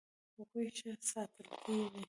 هغوی ښه ساتل کیږي.